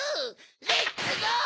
レッツゴー！